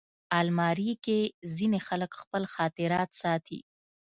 الماري کې ځینې خلک خپل خاطرات ساتي